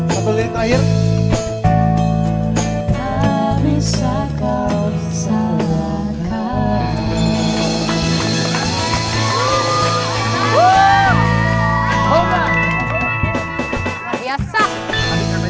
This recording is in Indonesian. tak bisa kau salahkan